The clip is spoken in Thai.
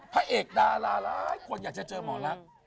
พระเอกดาราหลายคนอยากจะเจอหมอลักษณ์